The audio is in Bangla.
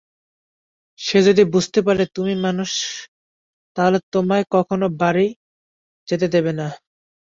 সে যদি বুঝতে পারে তুমি মানুষ, তাহলে তোমায় কখনো বাড়ি যেতে দেবে না।